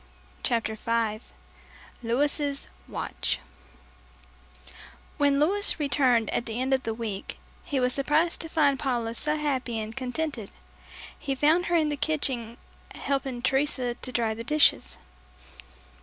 CHAPTER FIVE LOUIS' WATCH When Louis returned at the end of the week, he was surprised to find Paula so happy and contented. He found her in the kitchen helping Teresa to dry the dishes.